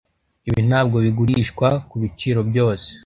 Ibi ntabwo bigurishwa kubiciro byose.